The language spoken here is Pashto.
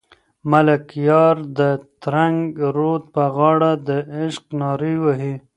ملکیار د ترنګ رود په غاړه د عشق نارې وهي.